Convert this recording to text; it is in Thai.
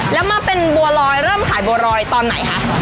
แล้วมาเป็นบัวลอยเริ่มขายบัวรอยตอนไหนคะ